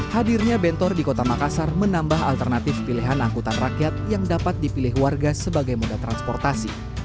hadirnya bentor di kota makassar menambah alternatif pilihan angkutan rakyat yang dapat dipilih warga sebagai moda transportasi